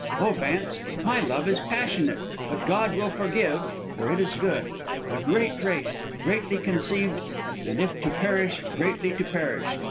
Oh, Vance, my love is passionate, but God will forgive, for it is good. A great race, greatly conceived; and if to perish, greatly to perish!